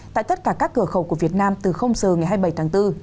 tại tất cả các cửa khẩu của việt nam từ giờ ngày hai mươi bảy tháng bốn